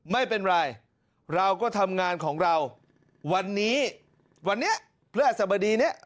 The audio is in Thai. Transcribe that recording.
ไม่เป็นไรเราก็ทำงานของเราวันนี้เพื่ออสบดีเนี่ย